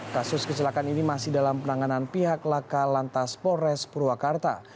kasus kecelakaan ini masih dalam penanganan pihak laka lantas polres purwakarta